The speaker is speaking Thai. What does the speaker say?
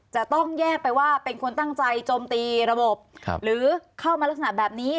จะต้องแยกไปว่าเป็นคนตั้งใจจมตีระบบหรือเข้ามาลักษณะแบบนี้